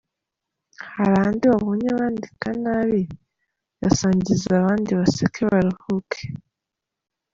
Hari andi wabonye bandika nabi? yasangize abandi baseke baruhuke.